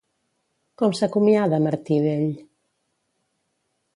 Com s'acomiada Martí d'ell?